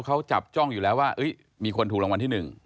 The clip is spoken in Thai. เขาจับจ้องอยู่แล้วว่ามีคนถูกรางวัลที่๑